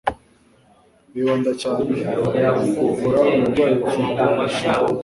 bibanda cyane ku kuvura uburwayi bufata ishinya